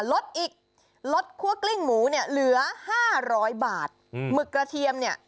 ลดอีกลดคั่วกลิ้งหมูเนี่ยเหลือห้าร้อยบาทอืมหมึกกระเทียมเนี่ย